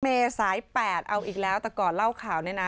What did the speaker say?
เมษาย๘เอาอีกแล้วแต่ก่อนเล่าข่าวเนี่ยนะ